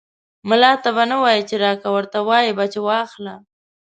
ملا ته به نه وايي چې راکه ، ورته وايې به چې واخله.